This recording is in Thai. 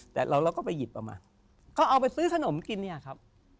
แต่เราก็ไปหยิบเอามาเขาเอาไปซื้อขนมกินเนี่ยครับ